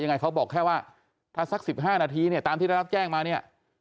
ยังไงเขาบอกแค่ว่าถ้าสัก๑๕นาทีตามที่เรารับแจ้งมา